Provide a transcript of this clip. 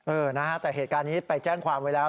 เออนะฮะแต่เหตุการณ์นี้ไปแจ้งความไว้แล้ว